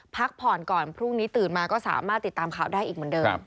พักผ่อนก่อนพรุ่งนี้ตื่นมาก็สามารถติดตามข่าวได้อีกเหมือนเดิม